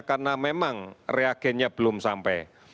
karena memang reagennya belum sampai